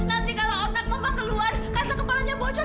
nanti kalau otak mama keluar katak kepalanya bocok